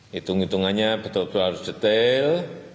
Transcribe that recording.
hitung hitungannya betul betul harus detail